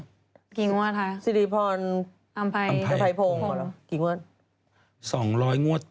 กี่งวดท่ะ